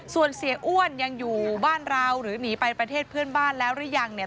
ส่วนเสียอ้วนยังอยู่บ้านเราหรือหนีไปประเทศเพื่อนบ้านแล้วหรือยังเนี่ย